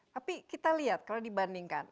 tapi kita lihat kalau dibandingkan